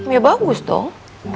ya bagus dong